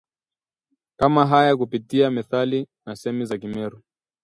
kama haya kupitia methali na semi za Kimeru